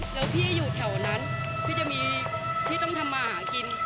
แล้วพี่อยู่แถวนั้นพี่จะมีพี่ต้องทำมาหากิน